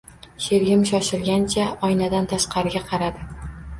Sherigim shoshilgancha oynadan tashqariga qaradi.